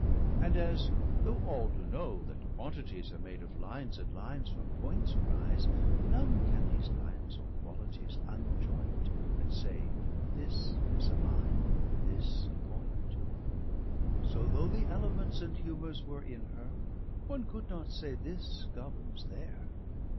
130 And as, though all doe know, that quantities Are made of lines, and lines from Points arise, None can these lines or quantities unjoynt, And say this is a line, or this a point, So though the Elements and Humors were 135 In her, one could not say, this governes there.